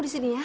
hai hai tidak